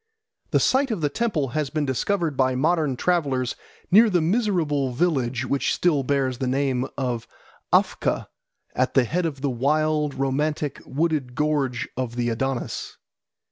The site of the temple has been discovered by modern travellers near the miserable village which still bears the name of Afka at the head of the wild, romantic, wooded gorge of the Adonis.